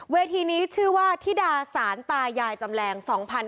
เวทีนี้ชื่อว่าธิดาสารตายายจำแรง๒๕๕๙